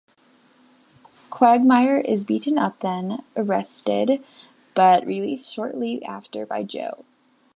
Quagmire is beaten up then arrested, but released shortly after by Joe.